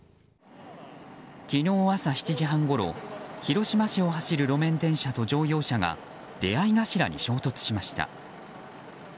昨日朝７時半ごろ広島市を走る路面電車と乗用車が出合い頭に衝突しました。